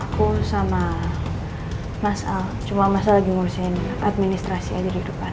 aku sama mas al cuma masa lagi ngurusin administrasi aja di depan